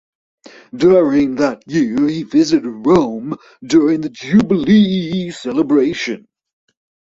During that year he visited Rome during the jubilee celebration.